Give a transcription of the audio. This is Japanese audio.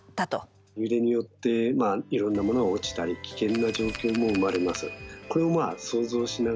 揺れによっていろんなものが落ちたり危険な状況も生まれます。